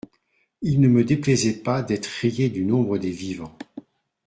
Il ne me déplaisait pas d’être rayé du nombre des vivants.